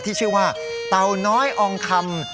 ที่ชื่อว่าเตาน้อยอองคำ